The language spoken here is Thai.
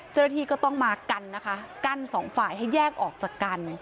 เจ้าหน้าที่ก็ต้องมากันนะคะกั้นสองฝ่ายให้แยกออกจากกัน